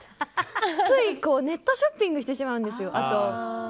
つい、ネットショッピングをしてしまうんですよ。